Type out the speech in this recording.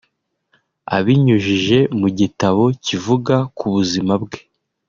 Abinyujije mu gitabo kivuga ku buzima bwe